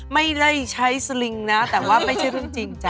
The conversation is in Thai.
ไม่ได้ใช้สลิงนะแต่ว่าไม่ใช่เรื่องจริงจ้